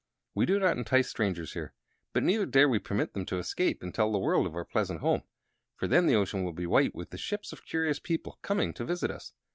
We do not entice strangers here; but neither dare we permit them to escape and tell the world of our pleasant home; for then the ocean would be white with the ships of curious people coming to visit us.